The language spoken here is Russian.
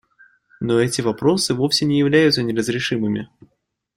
Но эти вопросы вовсе не являются неразрешимыми.